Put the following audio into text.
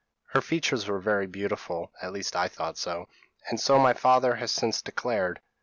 Her features were very beautiful, at least I thought so, and so my father has since declared.